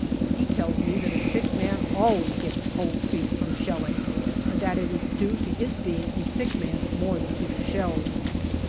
He tells me that a sick man always gets " cold feet " from shelling, and that it is due to his being a sick man more than to the shells.